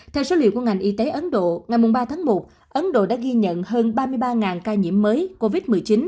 theo số liệu của ngành y tế ấn độ ngày ba tháng một ấn độ đã ghi nhận hơn ba mươi ba ca nhiễm mới covid một mươi chín